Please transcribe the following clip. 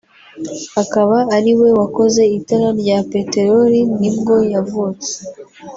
akaba ariwe wakoze itara rya petelori ni bwo yavutse